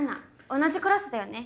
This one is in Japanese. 同じクラスだよね。